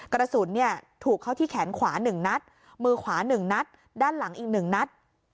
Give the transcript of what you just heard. กระสุนถูกเข้าที่แขนขวา๑นัดมือขวา๑นัดด้านหลังอีก๑นัด